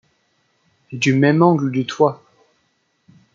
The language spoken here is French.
Du même angle du toit !